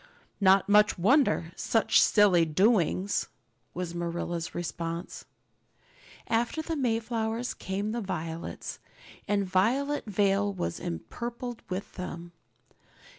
"Not much wonder! Such silly doings!" was Marilla's response. After the Mayflowers came the violets, and Violet Vale was empurpled with them.